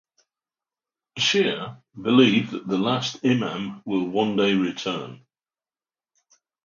Shi'a believe that the last Imam will one day return.